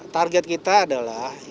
target kita adalah